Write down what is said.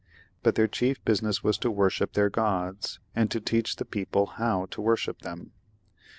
But their chief business was to worship their gods, and teach the people how to worship them.